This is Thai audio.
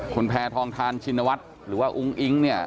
คุณแพทองทานชินวัฒน์หรือว่าอุ้งอิ๊งเนี่ย